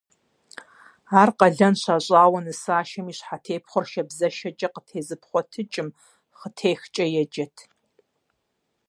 Ар къалэн щащӀауэ нысащӏэм и щхьэтепхъуэр шабзэшэкӏэ къытезыпхъуэтыкӀым хъытехкӀэ еджэрт.